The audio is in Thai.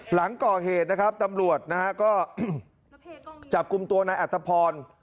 หลังก่อเหตุตำรวจก็จับกุมตัวนายอัตภพร